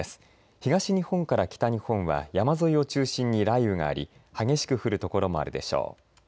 東日本から北日本は山沿いを中心に雷雨があり激しく降る所もあるでしょう。